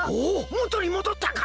もとにもどったか！？